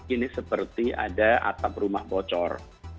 ini seperti ada atap rumah bocor